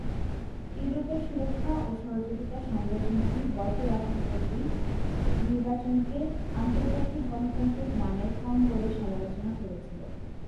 ইউরোপে সুরক্ষা ও সহযোগিতা সংগঠনটি গত রাষ্ট্রপতি নির্বাচনকে আন্তর্জাতিক গণতান্ত্রিক মানের কম বলে সমালোচনা করেছিল।